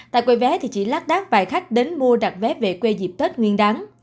tại quầy vé thì chỉ lát đát vài khách đến mua đặt vé về quê dịp tết nguyên đáng